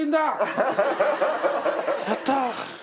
やった！